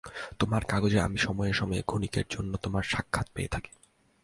তোমার কাগজে আমি সময়ে সময়ে ক্ষণিকের জন্য তোমার সাক্ষাৎ পেয়ে থাকি।